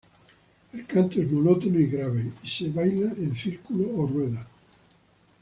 El canto es monótono y grave, y se baila en círculo o rueda.